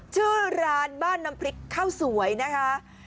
ชื่อร้านบ้านน้ำพริกข้าวสวยนะคะ